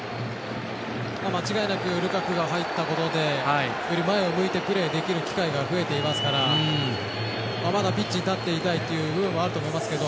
間違いなくルカクが入ったことでより前を向いてプレーする機会が増えていますからまだピッチに立っていたい部分もあると思いますけど。